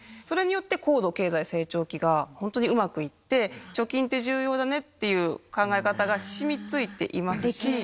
それによって、高度経済成長期が本当にうまくいって、貯金って重要だねっていう考え方がしみついていますし。